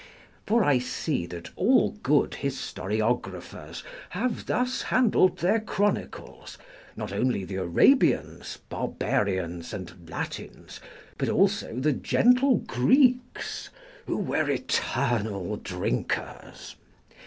For I see that all good historiographers have thus handled their chronicles, not only the Arabians, Barbarians, and Latins, but also the gentle Greeks, who were eternal drinkers.